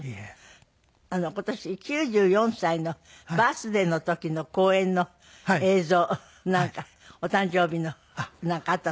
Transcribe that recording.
今年９４歳のバースデーの時の公演の映像お誕生日のなんかあったそうで。